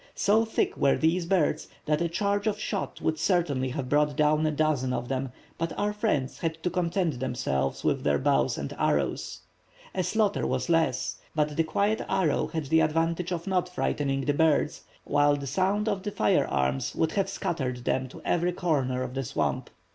So thick were these birds that a charge of shot would certainly have brought down a dozen of them, but our friends had to content themselves with their bows and arrows. The slaughter was less, but the quiet arrow had the advantage of not frightening the birds, while the sound of fire arms would have scattered them to every corner of the swamp.